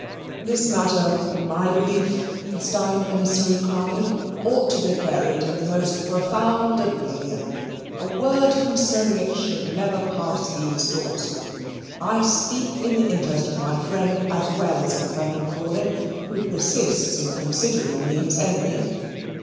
"This matter, in my belief," the Steyne emissary cried, "ought to be buried in the most profound oblivion. A word concerning it should never pass these doors. I speak in the interest of my friend, as well as of Colonel Crawley, who persists in considering me his enemy."